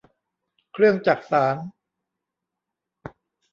เครื่องจักสาน